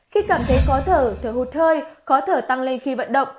khi cảm thấy khó thở thở hụt hơi khó thở tăng lên khi vận động